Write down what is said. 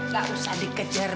gak usah dikejar